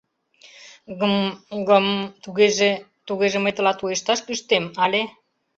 — Гм, гм… Тугеже… Тугеже мый тылат уэшташ кӱштем, але…